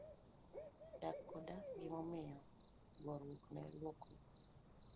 Dak koda gima omiyo, goruok ne lokruok.